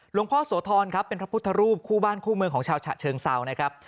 พ่อโสธรครับเป็นพระพุทธรูปคู่บ้านคู่เมืองของชาวฉะเชิงเซานะครับ